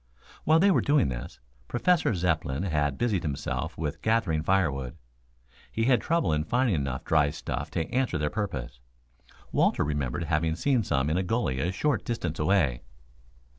While they were doing this, Professor Zepplin had busied himself with gathering firewood. He had trouble in finding enough dry stuff to answer their purpose. Walter remembered having seen some in a gully a short distance away.